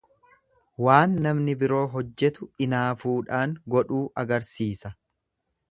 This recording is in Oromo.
Waan namni biroo hojjetu inaafuudhaan godhuu agarsiisa.